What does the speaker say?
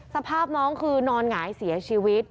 สภาพน้องคือนอนหงายเสียชีวิต